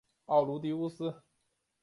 奥卢狄乌斯。